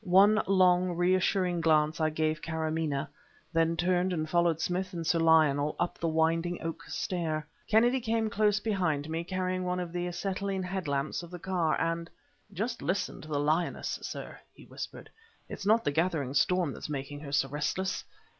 One long, reassuring glance I gave Kâramaneh, then turned and followed Smith and Sir Lionel up the winding oak stair. Kennedy came close behind me, carrying one of the acetylene head lamps of the car. And "Just listen to the lioness, sir!" he whispered. "It's not the gathering storm that's making her so restless.